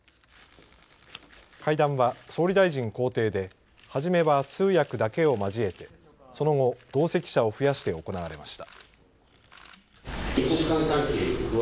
会談は総理大臣公邸ではじめは通訳だけを交えてその後、同席者を増やして行われました。